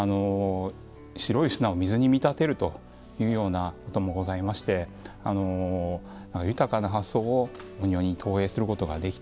白い砂を水に見立てるというようなこともございまして豊かな発想をお庭に投影することができたと。